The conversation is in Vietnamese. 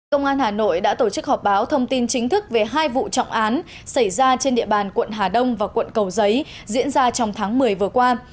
công an hà nội đã tổ chức họp báo thông tin chính thức về hai vụ trọng án xảy ra trên địa bàn quận hà đông và quận cầu giấy diễn ra trong tháng một mươi vừa qua